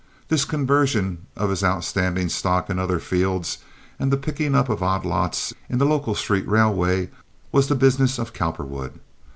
This conversion of his outstanding stock in other fields, and the picking up of odd lots in the local street railway, was the business of Cowperwood.